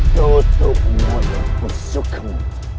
tutup mulut busukmu